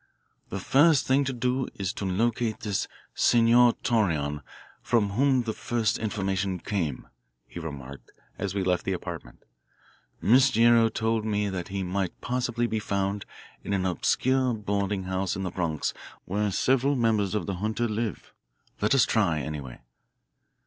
"The first thing to do is to locate this Senor Torreon from whom the first information came," he remarked as we left the apartment. "Miss Guerrero told me that he might possibly be found in an obscure boarding house in the Bronx where several members of the junta live. Let us try, anyway."